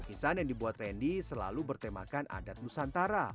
kisah yang dibuat randy selalu bertemakan adat nusantara